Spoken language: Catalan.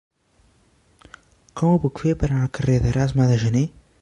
Com ho puc fer per anar al carrer d'Erasme de Janer?